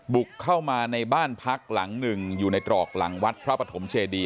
บุกเข้ามาในบ้านพักหลังหนึ่งอยู่ในตรอกหลังวัดพระปฐมเจดี